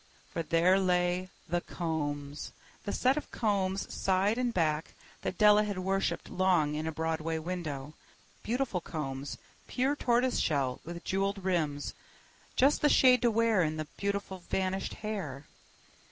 For there lay The Combs—the set of combs, side and back, that Della had worshipped long in a Broadway window. Beautiful combs, pure tortoise shell, with jewelled rims—just the shade to wear in the beautiful vanished hair.